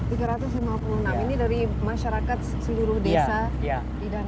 tiga ratus lima puluh enam ini dari masyarakat seluruh desa di danau sentarum